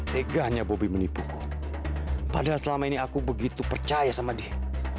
tegaknya bobby menipu padahal selama ini aku begitu percaya sama dia